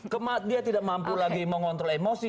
karena dia tidak mampu lagi mengontrol emosi